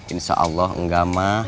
insyaallah enggak ma